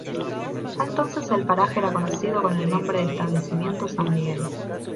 Ya entonces el paraje era conocido con el nombre de Establecimiento San Miguel.